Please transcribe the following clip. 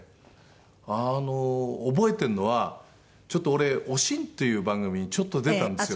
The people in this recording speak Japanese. あの覚えてるのはちょっと俺『おしん』っていう番組ちょっと出たんですよ。